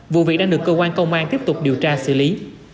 vụ việc đang được cơ quan công an tiếp tục điều tra xử lý